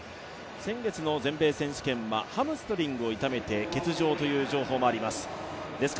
先月の全米選手権ではハムストリングスを痛めて、欠場という情報もあります。